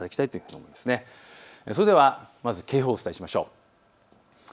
それではまず警報お伝えしましょう。